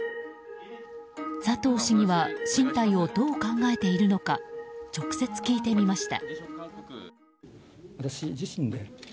佐藤市議は進退をどう考えているのか直接、聞いてみました。